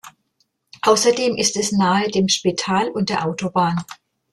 Ausserdem ist es nahe dem Spital und der Autobahn.